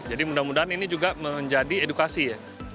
jadi mudah mudahan ini juga menjadi edukasi ya